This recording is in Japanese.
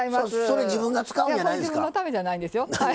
これ自分のためじゃないんですよ。